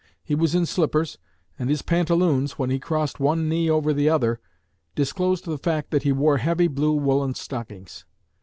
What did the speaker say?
He was in slippers, and his pantaloons, when he crossed one knee over the other, disclosed the fact that he wore heavy blue woollen stockings.